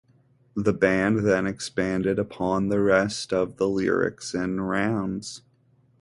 The band then expanded upon the rest of the lyrics in rounds.